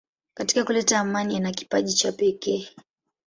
Katika kuleta amani ana kipaji cha pekee.